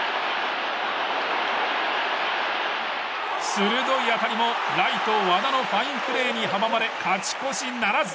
鋭い当たりも、ライト和田のファインプレーに阻まれ勝ち越しならず。